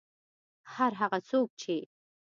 هر هغه څوک چې